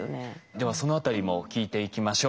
ではそのあたりも聞いていきましょう。